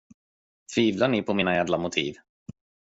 Tvivlar ni på mina ädla motiv?